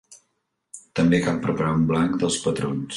També cal preparar un blanc dels patrons.